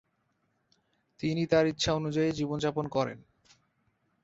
তিনি তার ইচ্ছানুযায়ী জীবন যাপন করেন।